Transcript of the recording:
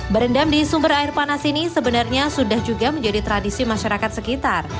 berendam di sumber air panas ini sebenarnya sudah juga menjadi tradisi masyarakat sekitar